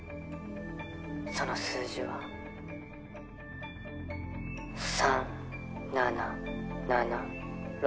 その数字は３７７６。